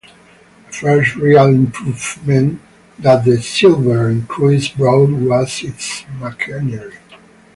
The first real improvement that the Zilveren Kruis brought was in its machinery.